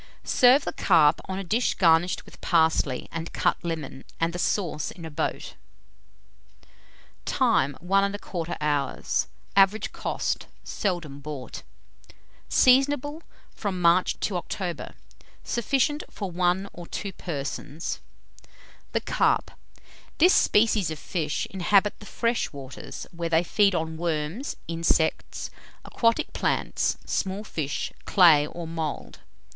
Serve the carp on a dish garnished with parsley and cut lemon, and the sauce in a boat. Time. 1 1/4 hour. Average cost. Seldom bought. Seasonable from March to October. Sufficient for 1 or 2 persons. [Illustration: THE CARP.] THE CARP. This species of fish inhabit the fresh waters, where they feed on worms, insects, aquatic plants, small fish, clay, or mould.